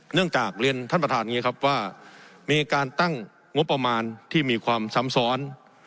เนื่องจากเรียนท่านประธานอย่างนี้ครับว่ามีการตั้งงบประมาณที่มีความซ้ำซ้อน